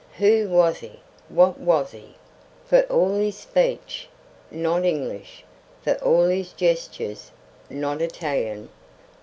Who was he, what was he? For all his speech, not English; for all his gestures, not Italian.